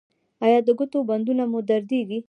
ایا د ګوتو بندونه مو دردیږي؟